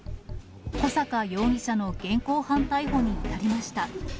小阪容疑者の現行犯逮捕に至りました。